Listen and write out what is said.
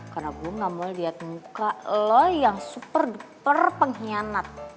karena gue nggak mau liat muka lo yang super duper pengkhianat